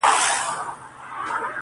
شاوخوا ټولي سيمي؛